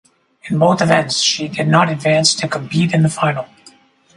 In both events she did not advance to compete in the final.